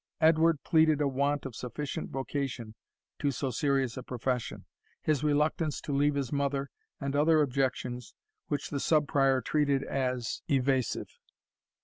Edward pleaded a want of sufficient vocation to so serious a profession his reluctance to leave his mother, and other objections, which the Sub Prior treated as evasive.